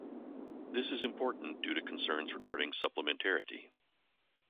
This is important due to concerns regarding supplementarity.